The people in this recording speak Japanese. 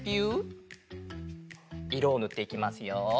いろをぬっていきますよ。